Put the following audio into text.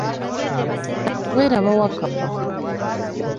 Welaba Wakkapa.